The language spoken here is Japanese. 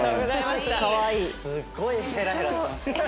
すっごいヘラヘラしてました。